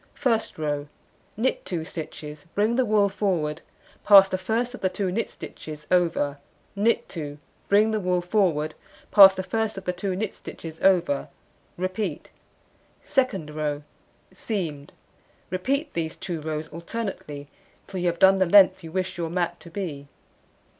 First row: Knit 2 stitches, bring the wool forward, pass the first of the 2 knit stitches over, knit 2, bring the wool forward, pass the first of the 2 knit stitches over, repeat. Second row: Seamed: repeat these 2 rows alternately till you have done the length you wish your mat to be.